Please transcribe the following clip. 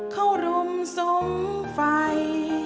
เขารุ่มสุ่มไฟ